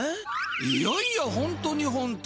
いやいやホントにホント。